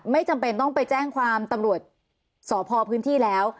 ไม่จำเป็นต้องไปแจ้งความตำรวจสพพื้นที่แล้ว